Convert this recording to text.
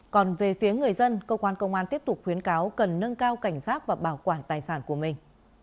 còn về phía người dân công an tp di an tiếp tục khuyến cáo cần nâng cao cảnh giác và bảo quản tài sản của mình